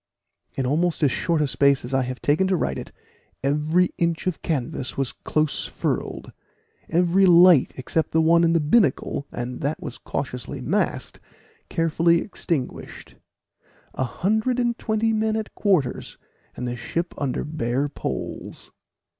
In almost as short a space as I have taken to write it, every inch of canvas was close furled every light, except the one in the binnacle, and that was cautiously masked, carefully extinguished a hundred and twenty men at quarters, and the ship under bare poles.